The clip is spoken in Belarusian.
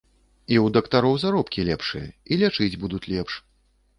І ў дактароў заробкі лепшыя, і лячыць будуць лепш.